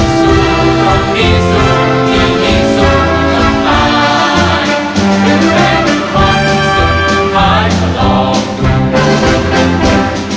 สู้ต้องที่สุดที่ที่สุดต้องตายถึงเป็นคนสุดท้ายก็ลองดู